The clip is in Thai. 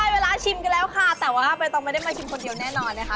เวลาชิมกันแล้วค่ะแต่ว่าใบตองไม่ได้มาชิมคนเดียวแน่นอนนะคะ